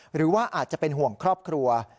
หรือว่าอาจจะเป็นห่วงครอบครัว